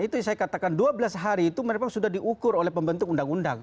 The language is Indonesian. itu yang saya katakan dua belas hari itu mereka sudah diukur oleh pembentuk undang undang